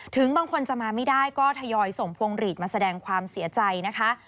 บางคนจะมาไม่ได้ก็ทยอยส่งพวงหลีดมาแสดงความเสียใจนะคะ